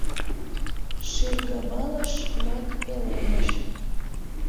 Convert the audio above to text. Шӱргывылыш — мак пеледыш!